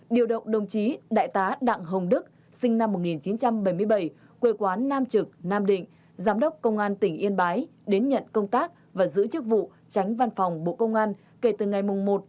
điều động đồng chí đại tá đặng hồng đức sinh năm một nghìn chín trăm bảy mươi bảy quê quán nam trực nam định giám đốc công an tỉnh yên bái đến nhận công tác và giữ chức vụ tránh văn phòng bộ công an kể từ ngày một hai hai nghìn hai mươi ba